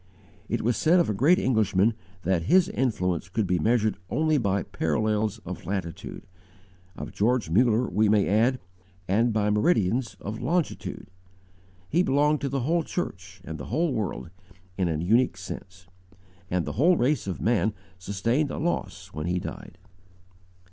It was said of a great Englishman that his influence could be measured only by "parallels of latitude"; of George Muller we may add, and by meridians of longitude. He belonged to the whole church and the whole world, in a unique sense; and the whole race of man sustained a loss when he died.